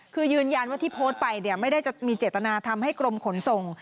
คือยืนยันว่าที่โพสต์ไปเนี่ยไม่ได้จะมีเจตนาทำให้กรมขนส่ง